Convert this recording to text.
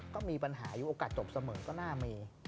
ก็มีปัญหาอยู่โอกาสจบเสมอก็น่ามี